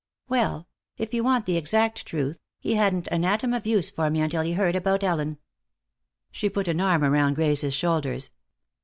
Well, if you want the exact truth, he hadn't an atom of use for me until he heard about Ellen." She put an arm around Grace's shoulders.